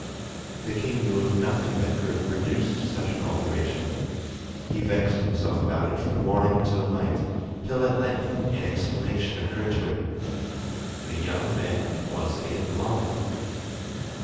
The king knew of nothing that could have produced such an alteration. He vexed himself about it from morning till night, till at length an explanation occurred to him—the young man was in love!